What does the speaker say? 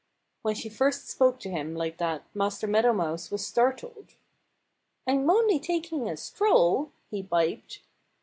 When she first spoke to him like that Master Meadow Mouse was startled. "I'm only taking a stroll," he piped.